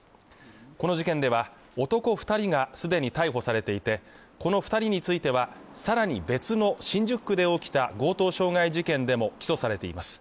この事件では男二人がすでに逮捕されていてこの二人についてはさらに別の新宿区で起きた強盗傷害事件でも起訴されています